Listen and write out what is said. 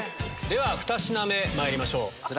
では２品目まいりましょう。